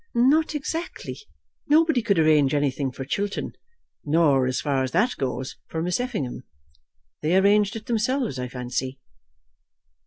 "Not exactly. Nobody could arrange anything for Chiltern, nor, as far as that goes, for Miss Effingham. They arranged it themselves, I fancy."